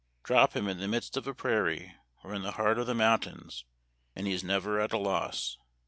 Drop him in the midst of a prairie or in the heart of the mountains and he is never at a loss.